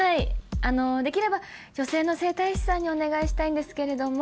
あのできれば女性の整体師さんにお願いしたいんですけれども。